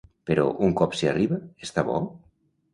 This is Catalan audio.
Però un cop s'hi arriba, està bo?